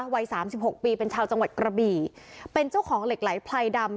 วัยสามสิบหกปีเป็นชาวจังหวัดกระบี่เป็นเจ้าของเหล็กไหลไพรดำ